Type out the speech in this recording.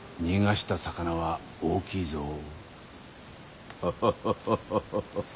逃がした魚は大きいぞ。